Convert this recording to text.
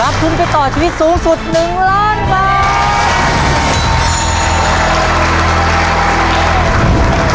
รับทุนไปต่อชีวิตสูงสุด๑๐๐๐๐๐๐บาท